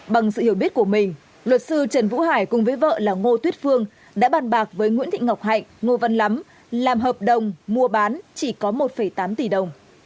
bằng sự hiểu biết của mình luật sư trần vũ hải cùng với vợ là ngô tuyết phương đã bàn bạc với nguyễn thị ngọc hạnh ngô văn lắm làm hợp đồng mua bán chỉ có một tám tỷ đồng